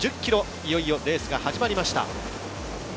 いよいよレースが始まりました。